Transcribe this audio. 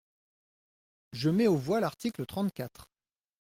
Je mets aux voix l’article trente-quatre.